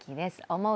思う